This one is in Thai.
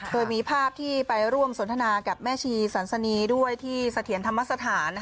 โดยมีภาพที่ไปร่วมสนทนากับแม่ชีสันสนีด้วยที่เสถียรธรรมสถาน